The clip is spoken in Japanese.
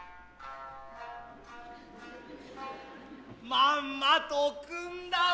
まんまと汲んだわ。